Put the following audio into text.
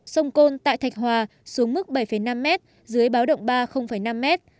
sông côn tại thạch hòa xuống mức bảy năm mét dưới báo động ba năm mét